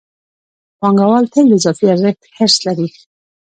پانګوال تل د اضافي ارزښت حرص لري